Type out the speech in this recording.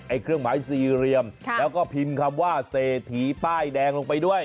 เครื่องหมายสี่เหลี่ยมแล้วก็พิมพ์คำว่าเศรษฐีป้ายแดงลงไปด้วย